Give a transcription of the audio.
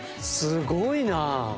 すごいなぁ。